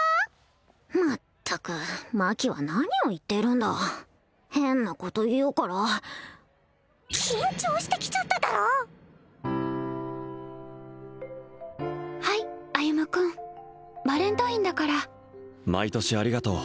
まったくマキは何を言っているんだ変なこと言うから緊張してきちゃっただろはい歩君バレンタインだから毎年ありがとう